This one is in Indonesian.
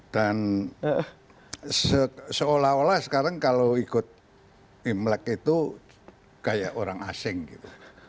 dan seolah olah sekarang kalau ikut imlek itu kayak orang asing gitu